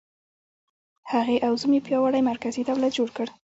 هغې او زوم یې پیاوړی مرکزي دولت جوړ کړ.